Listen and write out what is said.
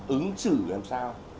ứng xử làm sao